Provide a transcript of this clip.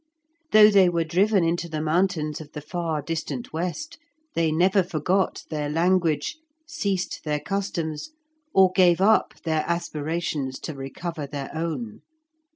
Though they were driven into the mountains of the far distant west, they never forgot their language, ceased their customs, or gave up their aspirations to recover their own.